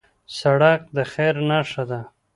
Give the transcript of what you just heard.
سړک د خیر نښه ده.